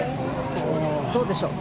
どうでしょう。